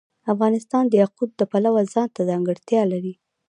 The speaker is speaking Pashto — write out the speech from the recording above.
افغانستان د یاقوت د پلوه ځانته ځانګړتیا لري.